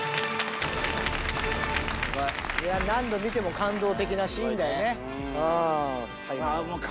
何度見ても感動的なシーンだよね。